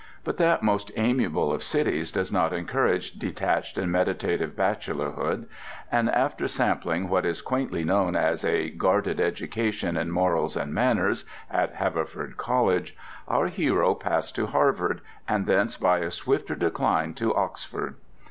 But that most amiable of cities does not encourage detached and meditative bachelorhood, and after sampling what is quaintly known as "a guarded education in morals and manners" at Haverford College, our hero passed to Harvard, and thence by a swifter decline to Oxford.